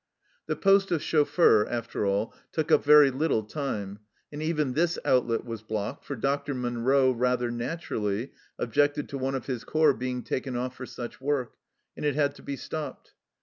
The post of chauffeur, after all, took up very little time, and even this outlet was blocked, for Dr. Munro, rather naturally, objected to one of his corps being taken off for such work, and it had to be stopped.